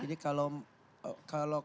jadi kalau kemanusiaan gak usah diragukan